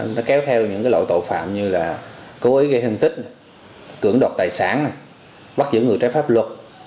nó kéo theo những lộ tội phạm như là cố ý gây hương tích cưỡng đọt tài sản bắt giữ người trái pháp luật